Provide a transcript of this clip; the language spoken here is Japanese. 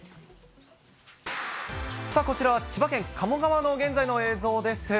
こちらは千葉県鴨川の現在の映像です。